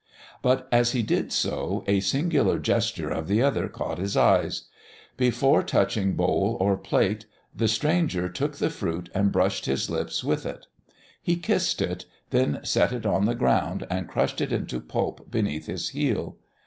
But as he did so a singular gesture of the other caught his eyes. Before touching bowl or plate, the stranger took the fruit and brushed his lips with it. He kissed it, then set it on the ground and crushed it into pulp beneath his heel.